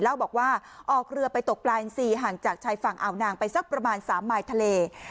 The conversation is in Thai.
เล่าบอกว่าออกเรือไปตกปลาอินซีห่างจากชายฝั่งอ่าวนางไปสักประมาณ๓มายทะเล